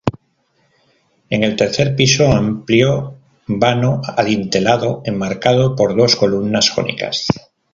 En el tercer piso, amplio vano adintelado enmarcado por dos columnas jónicas.